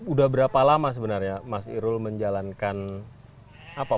udah berapa lama sebenarnya mas irul menjalankan apa